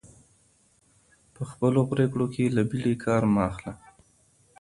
په خپلو پرېکړو کي له بیړې کار مه اخله.